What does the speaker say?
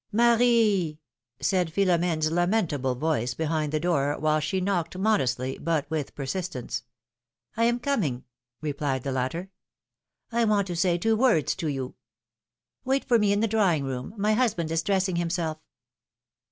Marie ! said Philom^ne's lamentable voice behind the door, while she knocked modestly, but with per sistence. I am coming," replied the latter. I want to say two words to you." Wait for me in the drawing room ; my husband is dressing himself."